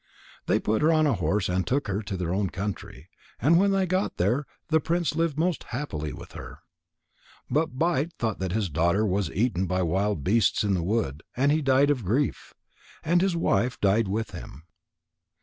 They put her on a horse and took her to their own country. And when they got there, the prince lived most happily with her. But Bite thought that his daughter was eaten by wild beasts in the wood, and he died of grief. And his wife died with him.